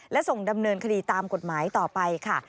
และส่งดำเนินคดีตามกฎหมายต่อไปค่ะ